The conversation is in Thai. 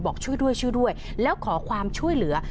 บอกช่วยด้วยช่วยด้วยแล้วขอความช่วยเหลือ